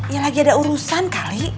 ya lagi ada urusan kali